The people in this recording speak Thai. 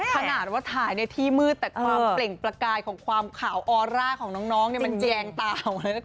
ขนาดว่าถ่ายในที่มืดแต่ความเปล่งประกายของความขาวออร่าของน้องเนี่ยมันแจงตาออกมา